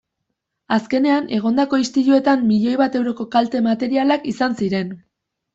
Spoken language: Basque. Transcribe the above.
Azkenean egondako istiluetan milioi bat euroko kalte materialak izan ziren.